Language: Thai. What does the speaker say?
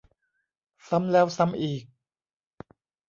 ซ้ำแล้วซ้ำอีก